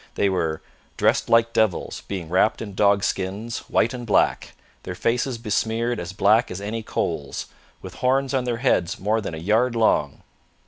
They were 'dressed like devils, being wrapped in dog skins, white and black, their faces besmeared as black as any coals, with horns on their heads more than a yard long.'